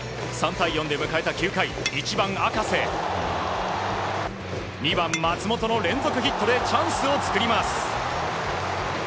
３対４で迎えた９回１番、赤瀬２番、松本の連続ヒットでチャンスを作ります。